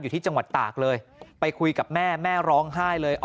ที่จังหวัดตากเลยไปคุยกับแม่แม่ร้องไห้เลย